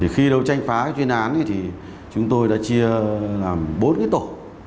khi đấu tranh phá chuyên án thì chúng tôi đã chia làm bốn cái tổ